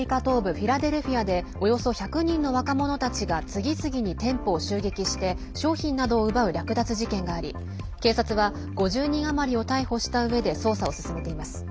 フィラデルフィアでおよそ１００人の若者たちが次々に店舗を襲撃して商品などを奪う略奪事件があり警察は５０人余りを逮捕したうえで捜査を進めています。